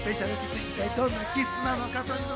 一体どんなキスなのか。